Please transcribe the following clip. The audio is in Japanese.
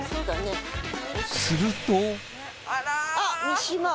すると。